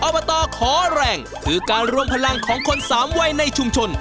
อบตขอแรงคือการรวมพลังของคนสามวัยในชุมชน